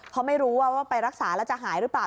เพราะไม่รู้ว่าไปรักษาแล้วจะหายหรือเปล่า